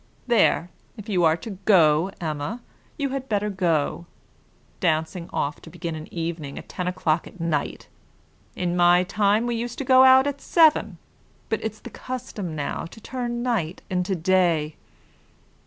There, if you are to go, Emma, you had better go; dancing off to begin an evening at ten o'clock at night! In my time we used to go at seven; but it's the custom now to turn night into day."